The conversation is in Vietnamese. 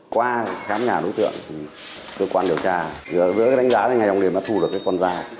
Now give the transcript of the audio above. qua khám nhà đối tượng cơ quan điều tra giữa đánh giá anh này đã thu được con da